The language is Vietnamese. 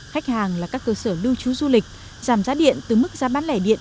khách hàng là các cơ sở lưu trú du lịch giảm giá điện từ mức giá bán lẻ điện